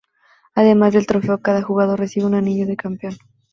Además del trofeo, cada jugador recibe un anillo de campeón.